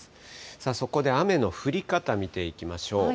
さあ、そこで雨の降り方見ていきましょう。